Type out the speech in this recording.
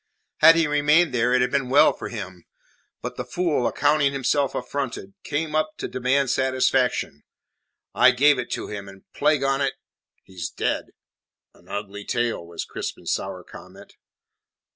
Had he remained there it had been well for him; but the fool, accounting himself affronted, came up to demand satisfaction. I gave it him, and plague on it he's dead!" "An ugly tale," was Crispin's sour comment.